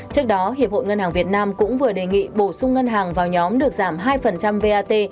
trước đó hiệp hội ngân hàng việt nam cũng vừa đề nghị bổ sung ngân hàng vào nhóm được giảm hai vat